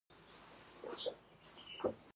هغې د هغه سترګو ته نېغ په نېغه وکتل.